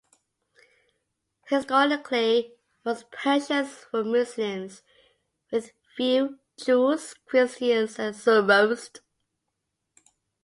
Historically, most Persians were Muslims with few Jews, Christians and Zoroast.